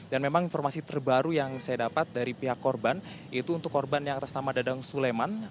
dan memang informasi terbaru yang saya dapat dari pihak korban itu untuk korban yang atas nama dadang suleman